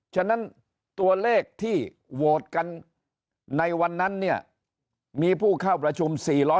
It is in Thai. ฉะนั้นตัวเลขที่โหวตกันในวันนั้นเนี่ยมีผู้เข้าประชุม๔๐๐